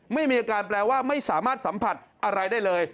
ไม่มีอาการแปลว่าไม่สามารถสัมผัสอะไรได้เลย